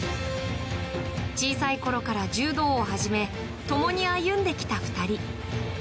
小さいころから柔道を始め共に歩んできた２人。